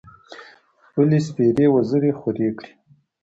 خپـلې سپـېرې وزرې خـورې کـړې.